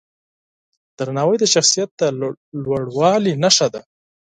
درناوی د شخصیت د لوړوالي نښه ده.